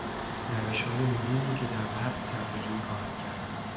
روشهای نوینی که در وقت صرفهجویی خواهد کرد